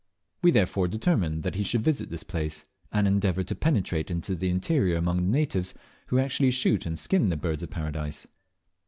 We therefore determined that he should visit this place, and endeavour to penetrate into the interior among the natives, who actually shoot and skin the Birds of Paradise.